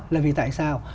là vì tại sao